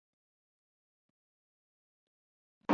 Al-Assad, Md.